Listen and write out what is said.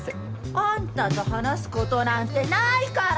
あんたと話すことなんてないから！